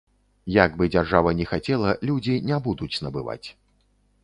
Як бы дзяржава ні хацела, людзі не будуць набываць.